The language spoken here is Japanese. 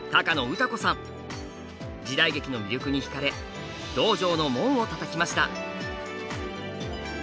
時代劇の魅力にひかれ道場の門をたたきました。